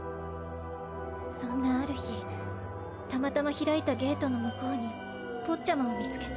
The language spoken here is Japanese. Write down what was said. そんなある日たまたま開いたゲートの向こうにポッチャマを見つけて。